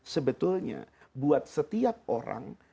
sebetulnya buat setiap orang